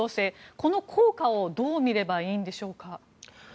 この効果をどう見ればいいんでしょうか。